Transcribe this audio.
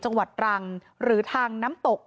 จังหวัดตรังหรือทางน้ำตก